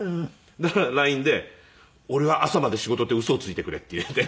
だからＬＩＮＥで「俺は朝まで仕事ってウソをついてくれ」って入れて。